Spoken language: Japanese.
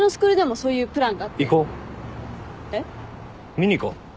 見に行こう。